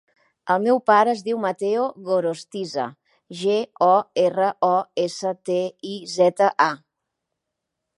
El meu pare es diu Matteo Gorostiza: ge, o, erra, o, essa, te, i, zeta, a.